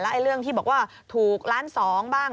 เรื่องที่บอกว่าถูกล้านสองบ้าง